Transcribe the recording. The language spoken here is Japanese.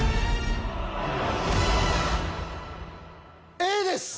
Ａです！